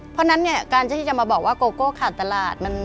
เพราะฉะนั้นเนี่ยการที่จะมาบอกว่าโกโก้ขาดตลาด